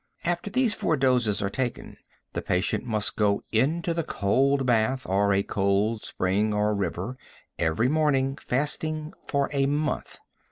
After these four doses are taken, the patient must go into the cold bath, or a cold spring or river, every morning, fasting, for a month.